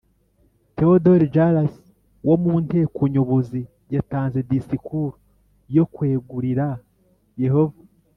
Theodore jaracz wo mu nteko nyobozi yatanze disikuru yo kwegurira yehova